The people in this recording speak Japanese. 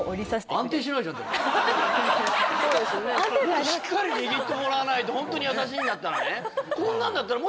もっとしっかり握ってもらわないとホントに優しいんだったらね